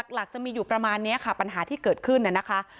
หลักจะมีอยู่ประมาณนี้ค่ะปัญหาที่เกิดขึ้นน่ะนะคะ